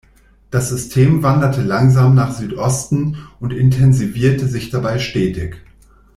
Das System wanderte langsam nach Südosten und intensivierte sich dabei stetig.